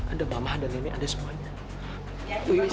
ada mama ada nenek ada semuanya